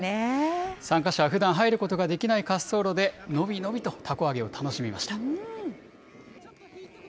参加者はふだん入ることができない滑走路で、伸び伸びとたこ揚げを楽しみました。